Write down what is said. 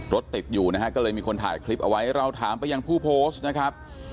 รถติดอยู่นะฮะก็เลยมีคนถ่ายคลิปเอาไว้เราถามไปยังผู้โพสต์นะครับ